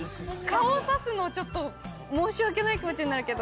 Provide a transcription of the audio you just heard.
顔刺すの申し訳ない気持ちになるけど。